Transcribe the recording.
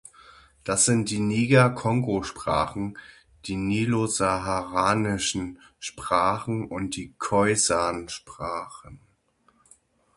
Das sind die Niger-Kongo-Sprachen, die nilosaharanischen Sprachen und die Khoisan-Sprachen.